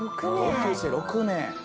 同級生６名。